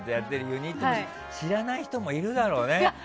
ユニット知らない人もいるだろうね。